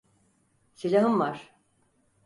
Silahın var.